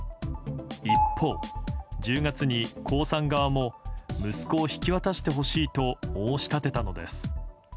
一方、１０月に江さん側も息子を引き渡してほしいと申し立てたのです。